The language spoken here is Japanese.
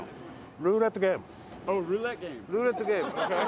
ルーレットゲーム。